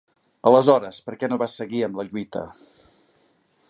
Aleshores per què no vas seguir amb la lluita?